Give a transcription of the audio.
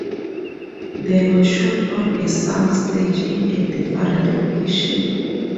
They were shot on a sound stage in a different location.